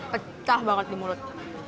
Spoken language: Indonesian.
pecah banget di mulut